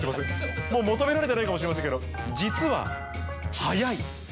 もう求められてないかもしれませんが、実は早い。